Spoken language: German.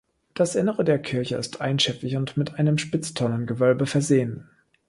Das Innere der Kirche ist einschiffig und mit einem Spitztonnengewölbe versehen.